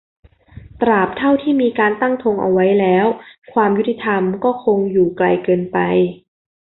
ตราบเท่าที่มีการตั้งธงเอาไว้แล้ว ความยุติธรรมก็คงอยู่ไกลเกินไป